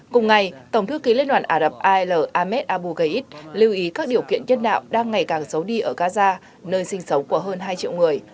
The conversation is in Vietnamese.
cùng ngày tổng thư ký liên đoàn ả rập al ahmed abu gheid lưu ý các điều kiện nhân đạo đang ngày càng xấu đi ở gaza nơi sinh sống của hơn hai triệu người